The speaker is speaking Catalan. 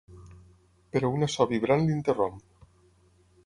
Però una so vibrant l'interromp.